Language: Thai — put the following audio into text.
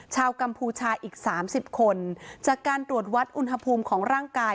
กัมพูชาอีกสามสิบคนจากการตรวจวัดอุณหภูมิของร่างกาย